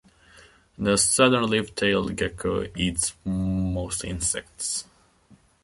The southern leaf-tailed gecko eats mostly insects.